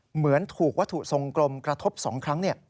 เหมือนถูกวัตถุทรงกลมกระทบ๒ครั้ง